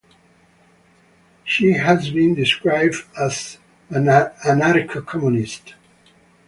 She has been described as an anarcho-communist.